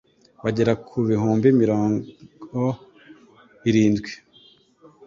bagera ku ibihumbi mirngo irindwi